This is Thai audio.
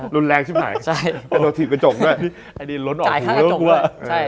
ร้อนแรงใช่ไหมจ่ะกระโดดถีกกระจกด้วย